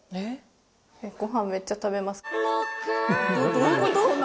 どどういうこと？